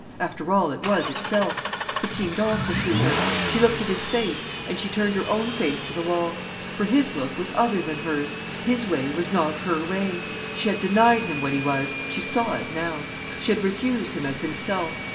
After all, it was itself. It seemed awful to her. She looked at his face, and she turned her own face to the wall. For his look was other than hers, his way was not her way. She had denied him what he was—she saw it now. She had refused him as himself.